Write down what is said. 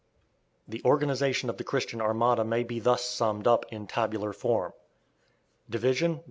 The organization of the Christian armada may be thus summed up in tabular form: +++ Division.